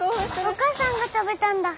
お母さんが食べたんだ。